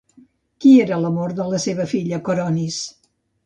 Qui era l'amor de la seva filla Coronis?